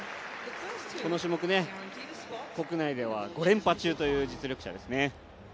この種目、国内では５連覇中という実力者ですね。